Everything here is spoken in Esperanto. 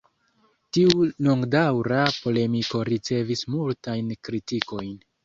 Tiu longdaŭra polemiko ricevis multajn kritikojn.